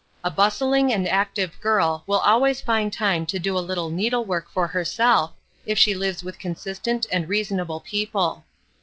A bustling and active girl will always find time to do a little needlework for herself, if she lives with consistent and reasonable people.